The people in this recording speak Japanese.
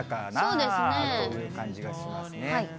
そうですね。という感じがしますね。